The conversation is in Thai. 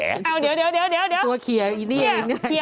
เอ้าเดี๋ยว